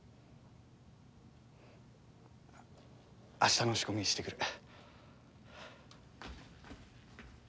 明日の仕込みしてくる。